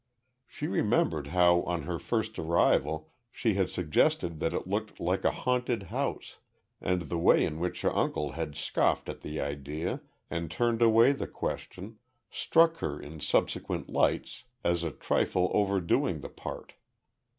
She remembered how on her first arrival she had suggested that it looked like a haunted house, and the way in which her uncle had scoffed at the idea and turned away the question, struck her in subsequent lights as a trifle overdoing the part.